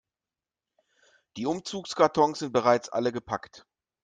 Die Umzugskartons sind bereits alle gepackt.